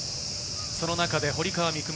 その中で堀川未来